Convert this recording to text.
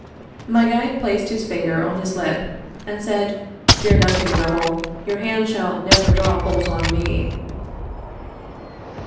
My guide placed his finger on his lip, and said, "Fear nothing, Dougal; your hands shall never draw a bolt on me."